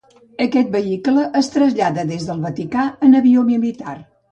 Aquest vehicle es trasllada des del Vaticà en avió militar.